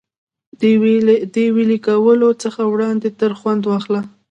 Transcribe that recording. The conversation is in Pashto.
د وېلې کېدلو څخه وړاندې ترې خوند واخله.